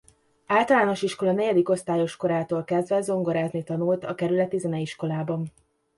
Általános iskola negyedik osztályos korától kezdve zongorázni tanult a kerületi zeneiskolában.